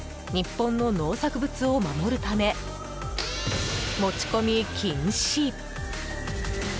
日本の農作物を守るため持ち込み禁止。